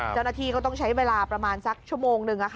เจ้าหน้าที่ก็ต้องใช้เวลาประมาณสักชั่วโมงหนึ่ง